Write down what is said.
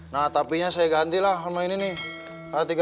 nah tapi nya saya ganti lah sama ini nih